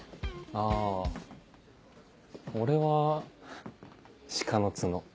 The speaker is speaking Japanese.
あ俺は鹿の角。